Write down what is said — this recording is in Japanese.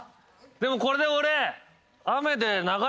でもこれで俺。